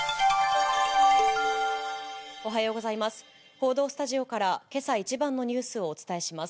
報道スタジオからけさ一番のニュースをお伝えします。